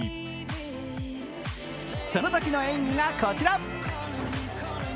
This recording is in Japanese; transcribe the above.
そのときの演技がこちら。